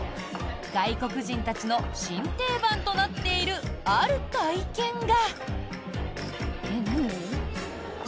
外国人たちの新定番となっているある体験が。